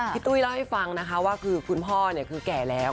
ตุ้ยเล่าให้ฟังนะคะว่าคือคุณพ่อคือแก่แล้ว